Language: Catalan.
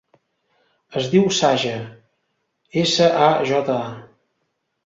Es diu Saja: essa, a, jota, a.